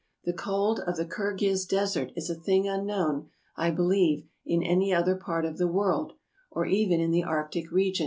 The cold of the Kirghiz desert is a thing unknown, I believe, in any other part of the world, or even in the Arctic regions.